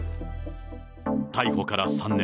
逮捕から３年。